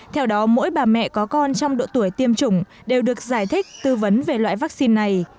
theo đó mỗi bà mẹ có con trong độ tuổi tiêm chủng đều được giải thích tư vấn về loại vaccine này